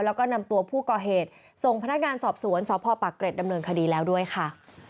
แล้วก็นำตัวผู้ก่อเหตุส่งพนักงานสอบสวนสพปากเกร็ดดำเนินคดีแล้วด้วยค่ะ